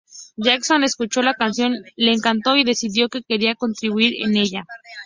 Jackson escuchó la canción, le encantó y decidió que quería contribuir en ella.